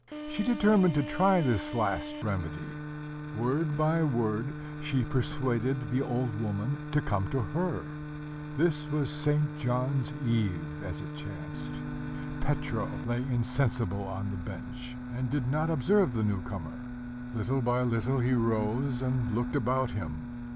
She determined to try this last remedy: word by word she persuaded the old woman to come to her. This was St. John's Eve, as it chanced. Petro lay insensible on the bench, and did not observe the new comer. Little by little he rose, and looked about him.